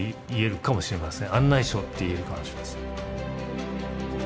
案内書って言えるかもしれません。